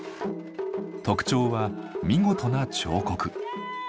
特徴は見事な彫刻。